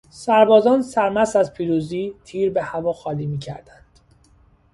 سربازان سرمست از پیروزی، تیر به هوا خالی میکردند.